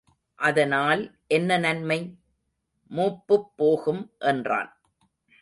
அதனால் என்ன நன்மை? மூப்புப் போகும் என்றான்.